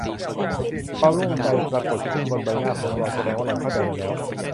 ความโล่งใจปรากฏขึ้นบนใบหน้าของหล่อน แสดงว่าหล่อนเข้าใจมันแล้ว